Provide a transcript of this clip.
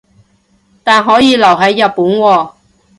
但可以留係日本喎